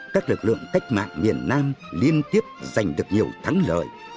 các lực lượng cách mạng miền nam liên tiếp giành được nhiều thắng lợi